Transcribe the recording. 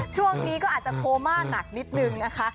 ช่วงนี้ก็อาจจะโคม่าหนักนิดนึงนะคะ